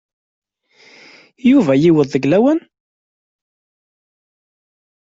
Yuba yuweḍ-d deg lawan?